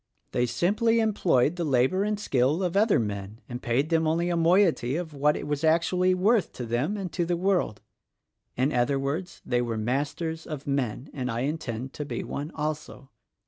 They simply employed the labor and skill of other men and paid them only a moiety of what it was actually worth to them and to the world. In other words, they were 'Masters of Men,' and I intend to be one also.